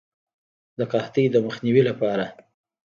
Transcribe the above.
د قحطۍ د مخنیوي لپاره.